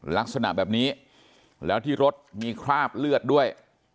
ลักษณะแบบนี้แล้วที่รถมีคราบเลือดด้วย